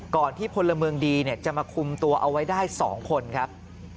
ที่พลเมืองดีจะมาคุมตัวเอาไว้ได้๒คนครับ